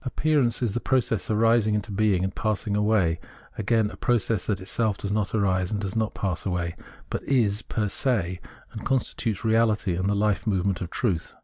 Appearance is the process of arising into being and passing away again, a process that itself does not arise and does not pass away, but is fer se, and constitutes reality and the life movement of truth.